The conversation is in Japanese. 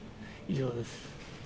以上です。